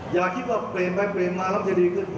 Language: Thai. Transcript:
อย่าคิดว่าเป็นไปเป็นมาแล้วจะดีกว่า